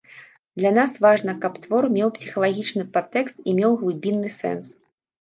Для нас важна, каб твор меў псіхалагічны падтэкст і меў глыбінны сэнс.